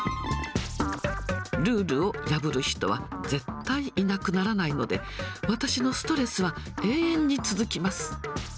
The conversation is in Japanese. ルールを破る人は絶対いなくならないので、私のストレスは永遠に続きます。